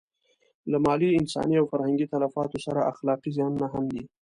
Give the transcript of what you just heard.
له مالي، انساني او فرهنګي تلفاتو سره اخلاقي زیانونه هم دي.